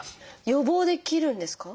予防できるんですか？